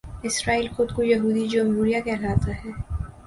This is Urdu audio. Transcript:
اسرائیل خود کو یہودی جمہوریہ کہلاتا ہے